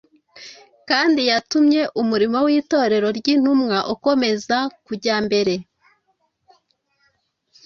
kandi yatumye umurimo w’Itorero ry’Intumwa ukomeza kujya mbere,